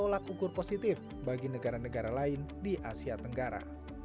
kcjb akan menjadi tolak ukur positif bagi negara negara lain di asia tenggara